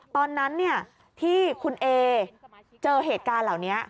ตอนนั้นที่คุณเอเจอเหตุการณ์เหล่านี้